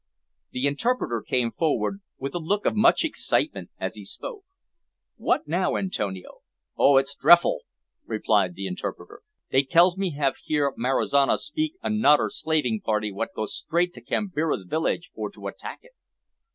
The interpreter came forward with a look of much excitement as he spoke. "What now, Antonio?" "Oh! it's drefful," replied the interpreter. "Dey tells me have hear Marizano speak ob anoder slaving party what go straight to Kambira's village for attack it."